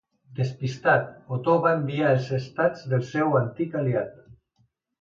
Despitat, Otó va envair els estats del seu antic aliat.